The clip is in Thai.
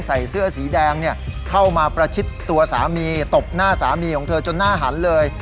ใส่เสื้อสีแดงเข้ามาประชิดตัวสามีตบหน้าสามีของเธอจนหน้าหันเลย